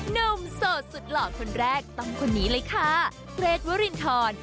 โสดสุดหล่อคนแรกต้องคนนี้เลยค่ะเกรทวรินทร